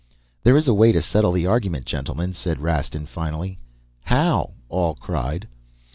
"'There is a way to settle the argument, gentlemen,' said Rastin finally. "'How?' all cried.